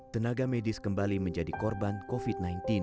tenaga medis kembali menjadi korban covid sembilan belas